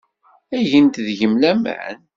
Ad gent deg-m laman.